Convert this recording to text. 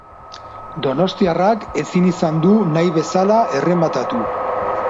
Donostiarrak ezin izan du nahi bezala errematatu.